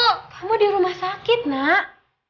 oh kamu di rumah sakit nak